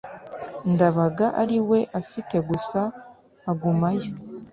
Ndabaga ari we afite gusa agumayo